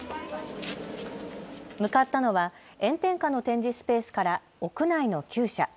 向かったのは炎天下の展示スペースから屋内のきゅう舎。